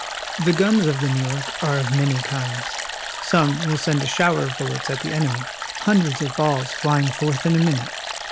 The guns of the Nciv York are of many kinds. Some will send a shower of bullets at the enemy, hundreds of balls flying forth in a minute.